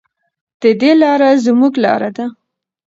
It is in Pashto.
د ده لاره زموږ لاره ده.